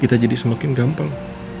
kita jadi semakin gampang